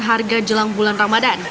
harga jelang bulan ramadhan